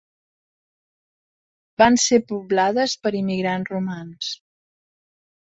Van ser poblades per immigrants romans.